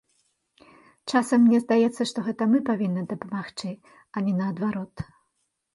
Часам мне здаецца, што гэта мы павінны дапамагчы, а не наадварот.